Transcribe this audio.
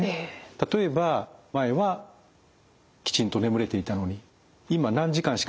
例えば前はきちんと眠れていたのに今何時間しか寝ていないとか。